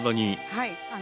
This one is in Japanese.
はい。